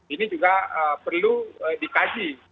ini juga perlu dikaji